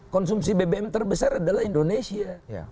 konsumsi bbm terbesar adalah indonesia